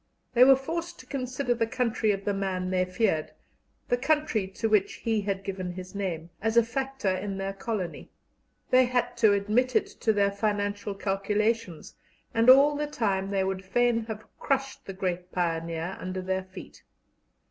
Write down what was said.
They were forced to consider the country of the man they feared the country to which he had given his name as a factor in their colony; they had to admit it to their financial calculations, and all the time they would fain have crushed the great pioneer under their feet.